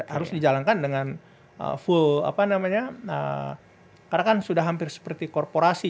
harus dijalankan dengan full apa namanya karena kan sudah hampir seperti korporasi